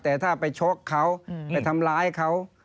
แต่ถ้าไปชกเขาไปทำร้ายเขา